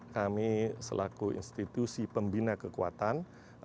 kami selaku institusi pembina kekuatan